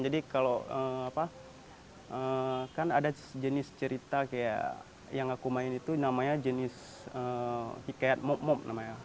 jadi kalau ada jenis cerita yang aku main itu namanya jenis hikayat mop mop